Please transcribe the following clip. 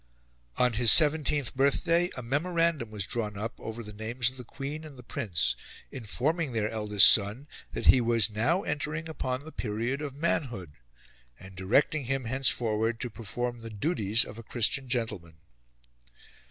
On his seventeenth birthday a memorandum was drawn up over the names of the Queen and the Prince informing their eldest son that he was now entering upon the period of manhood, and directing him henceforward to perform the duties of a Christian gentleman.